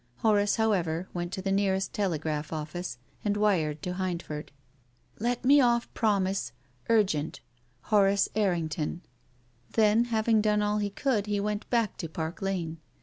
Horace, however, went to the nearest telegraph oflRce and wired to Hindford —" Let me off promise ; urgent. — HORACE Er RINGTON." Then, having done all he could, he went back to Park Lane.